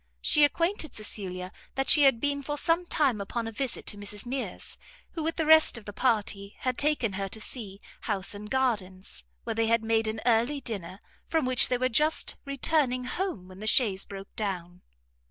She acquainted Cecilia that she had been for some time upon a visit to Mrs Mears, who, with the rest of the party, had taken her to see house and gardens, where they had made an early dinner, from which they were just returning home when the chaise broke down.